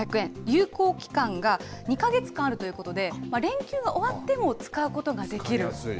有効期間が２か月間あるということで、連休が終わっても使うことができる。